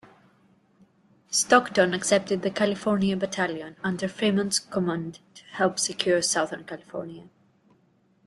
Stockton accepted the California Battalion under Fremont's command to help secure Southern California.